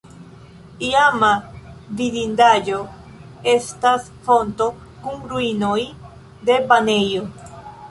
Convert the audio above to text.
Iama vidindaĵo estas fonto kun ruinoj de banejo.